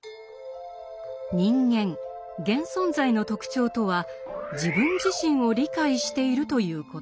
人間現存在の特徴とは自分自身を理解しているということ。